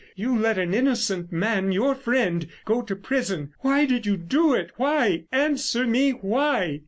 You let an innocent man, your friend, go to prison.... Why did you do it? Why, answer me? Why?"